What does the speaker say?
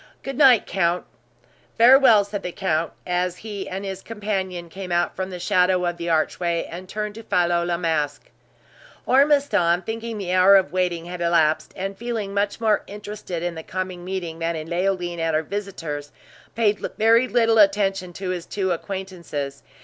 Good night, count." "Farewell," said the count, as he and, his companion came out from the shadow of the archway, and turned to follow La Masque. Ormiston, thinking the hour of waiting had elapsed, and feeling much more interested in the coming meeting than in Leoline or her visitors, paid very little attention to his two acquaintances.